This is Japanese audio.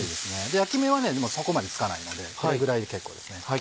焼き目はそこまでつかないのでこれぐらいで結構です。